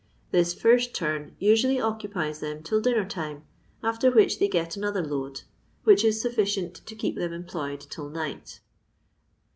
This first turn usually occupies them till dinnez^time, after which they get another load, which is sufficient to keep them employed till night.